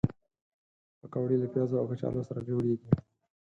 پکورې له پیازو او کچالو سره جوړېږي